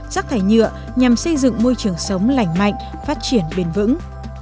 rác thải nhựa nhằm xây dựng môi trường sống lành mạnh phát triển bền vững